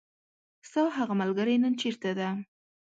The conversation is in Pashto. ستاهغه ملګری نن چیرته ده .